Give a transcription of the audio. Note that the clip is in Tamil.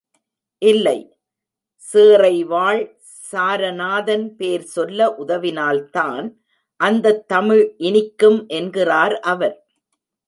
இல்லை, சேறை வாழ் சாரநாதன் பேர் சொல்ல உதவினால்தான் அந்தத் தமிழ் இனிக்கும் என்கிறார் அவர்.